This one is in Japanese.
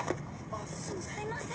すいません。